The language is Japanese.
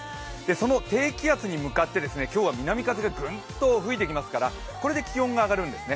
その低気圧に向かって今日は南風がグンと吹いてきますからこれで気温が上がるんですね。